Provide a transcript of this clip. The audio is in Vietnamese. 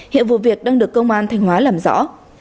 hiện vụ việc đang được công an thanh hóa làm rõ